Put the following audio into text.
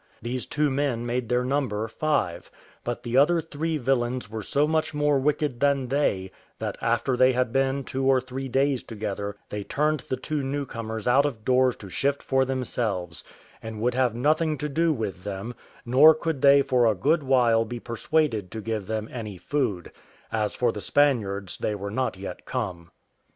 These two men made their number five; but the other three villains were so much more wicked than they, that after they had been two or three days together they turned the two newcomers out of doors to shift for themselves, and would have nothing to do with them; nor could they for a good while be persuaded to give them any food: as for the Spaniards, they were not yet come.